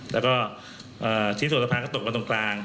แล้วก็ชิ้นส่วนสะพานก็ตกกันตรงกลาง